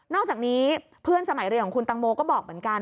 อกจากนี้เพื่อนสมัยเรียนของคุณตังโมก็บอกเหมือนกัน